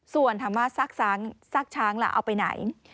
ส่วนถามว่าซากช้างล่ะเอาไปไหน